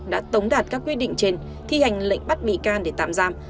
đã tống đạt các quyết định trên thi hành lệnh bắt bị can để tạm giam